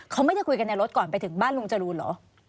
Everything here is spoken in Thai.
เขาไม่ได้คุยกันในรถก่อนไปถึงบ้านลุงจรูนเหรอ